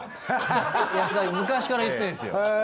昔から言ってるんですよ。